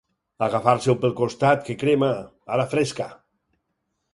Agafar-s'ho pel costat que crema, a la fresca.